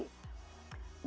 dua persiapan dua kali